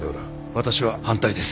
私は反対です。